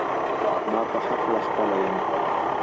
ما پخه کړه خپله ينه